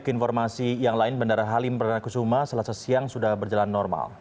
informasi yang lain bandara halim perdana kusuma selasa siang sudah berjalan normal